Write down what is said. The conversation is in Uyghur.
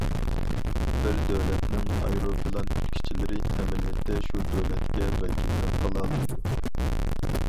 بىر دۆلەتنىڭ ئايروپىلان كۈتكۈچىلىرى ئەمەلىيەتتە شۇ دۆلەتكە ۋەكىللىك قىلالايدۇ.